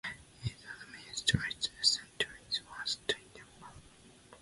Its administrative centre was Tyumen.